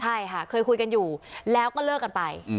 ใช่ค่ะเคยคุยกันอยู่แล้วก็เลิกกันไป